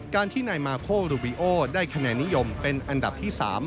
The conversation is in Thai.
การที่นายมาโครูบิโอได้คะแนนนิยมเป็นอันดับที่๓